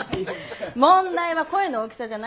問題は声の大きさじゃないんです。